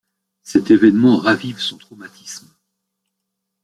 Cet événement ravive son traumatisme.